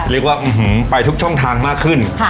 เรียกว่าไปทุกช่องทางมากขึ้น